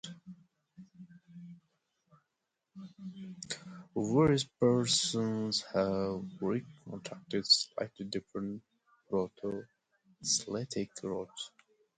Various persons have reconstructed slightly different proto-Celtic roots.